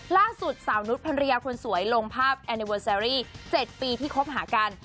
ล่าสุดสาวนุษย์ภรรยาคนสวยลงภาพแอนิเวอร์แซรี่๗ปีที่คบหากัน